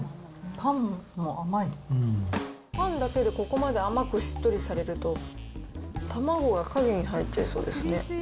パンだけでここまで甘くしっとりされると、たまごが陰に入っちゃいそうですね。